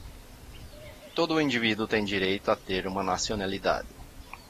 Todo o indivíduo tem direito a ter uma nacionalidade.